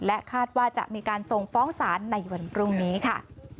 คาดว่าจะมีการส่งฟ้องศาลในวันพรุ่งนี้ค่ะ